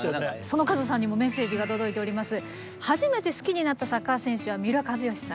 そのカズさんにもメッセージが届いております。